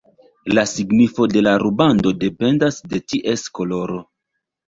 La signifo de la rubando dependas de ties koloro.